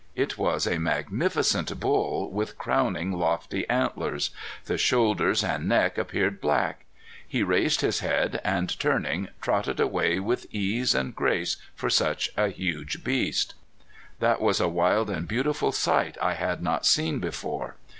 It was a magnificent bull with crowning lofty antlers. The shoulders and neck appeared black. He raised his head, and turning, trotted away with ease and grace for such a huge beast. That was a wild and beautiful sight I had not seen before.